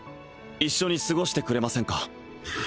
一緒に過ごしてくれませんか？